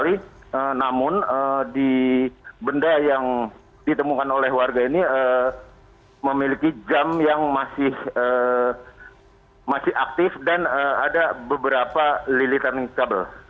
namun di benda yang ditemukan oleh warga ini memiliki jam yang masih aktif dan ada beberapa lilitan kabel